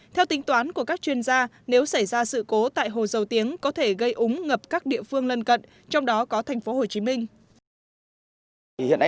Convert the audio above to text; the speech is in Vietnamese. theo tính toán của các chuyên gia nếu xảy ra sự cố tại hồ dầu tiếng có thể gây úng ngập các địa phương lân cận trong đó có thành phố hồ chí minh